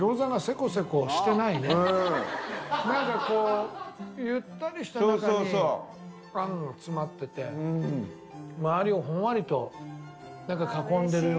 何かこうゆったりした中にあんが詰まってて周りをほんわりと囲んでるような。